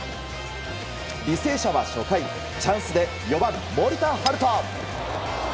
履正社は初回チャンスで４番、森田大翔。